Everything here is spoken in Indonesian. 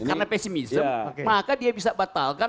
karena pesimism maka dia bisa batalkan